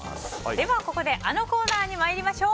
ではここであのコーナーに参りましょう。